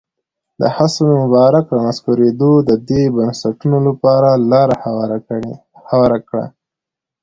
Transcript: د حسن مبارک رانسکورېدو د دې بنسټونو لپاره لاره هواره کړه.